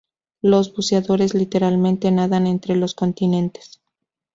Los buceadores literalmente nadan entre los continentes.